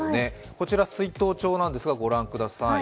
こちら、出納帳なんですが、ご覧ください。